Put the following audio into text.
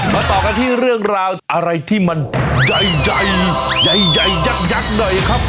มาต่อกันที่เรื่องราวอะไรที่มันใหญ่ใหญ่ใหญ่ใหญ่ยักษ์ยักษ์หน่อยครับ